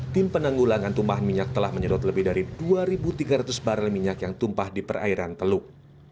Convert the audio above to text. tim penanggulangan tumpahan minyak telah menyedot lebih dari dua tiga ratus barrel minyak yang tumpah di perairan teluk